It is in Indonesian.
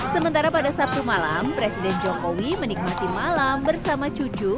sementara pada sabtu malam presiden jokowi menikmati malam bersama cucu